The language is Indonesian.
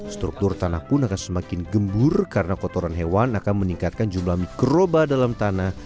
struktur tanah pun akan semakin gembur karena kotoran hewan akan meningkatkan jumlah mikroba dalam tanah